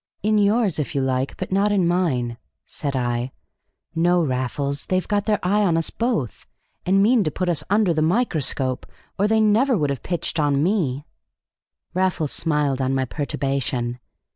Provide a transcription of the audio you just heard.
"In yours, if you like, but not in mine," said I. "No, Raffles, they've got their eye on us both, and mean to put us under the microscope, or they never would have pitched on me." Raffles smiled on my perturbation.